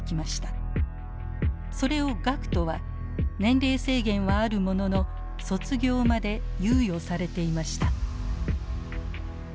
それを学徒は年齢制限はあるものの卒業まで猶予されていました。